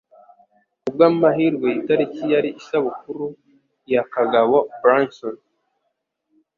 Kubwamahirwe, itariki yari isabukuru ya Kagabo Branson